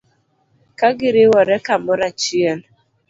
Ka giriwore kamoro achie